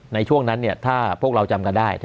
ในช่วงนั้นถ้าพวกเราจำกันได้